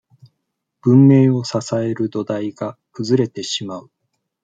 文明を支える土台が崩れてしまう。